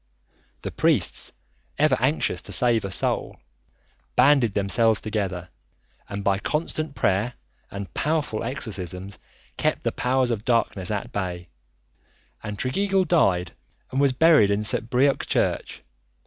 The priests, ever anxious to save a soul, banded themselves together, and by constant prayer and powerful exorcisms kept the powers of darkness at bay, and Tregeagle died and was buried in St. Breock Church.